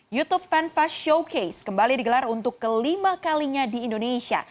youtube fanfast showcase kembali digelar untuk kelima kalinya di indonesia